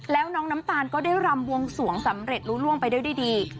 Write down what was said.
แล้วน้องน้ำตาลก็ได้รำวงสวงสำเร็จรู้ล่วงไปด้วยดี